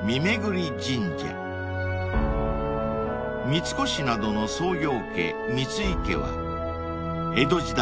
［三越などの創業家三井家は江戸時代